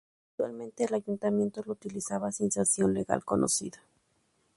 Actualmente el Ayuntamiento lo utiliza sin sanción legal conocida.